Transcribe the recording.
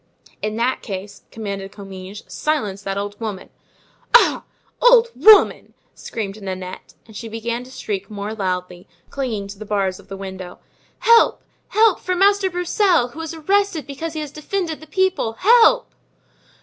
"In that case," commanded Comminges, "silence that old woman." "Ah! old woman!" screamed Nanette. And she began to shriek more loudly, clinging to the bars of the window: "Help! help! for Master Broussel, who is arrested because he has defended the people! Help!"